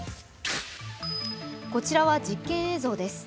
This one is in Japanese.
こちらは実験映像です。